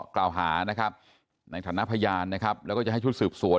กล่าวหานะครับในฐานะพยานนะครับแล้วก็จะให้ชุดสืบสวน